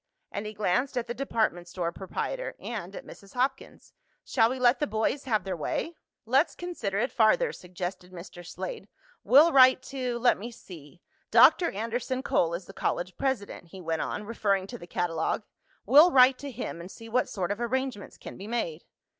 and he glanced at the department store proprietor and at Mrs. Hopkins. "Shall we let the boys have their way?" "Let's consider it farther," suggested Mr. Slade. "We'll write to let me see Dr. Anderson Cole is the college president," he went on, referring to the catalogue. "We'll write to him and see what sort of arrangements can be made."